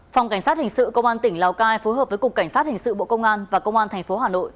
phòng cảnh sát hình sự công an tỉnh lào cai phối hợp với cục cảnh sát hình sự bộ công an và công an tp hà nội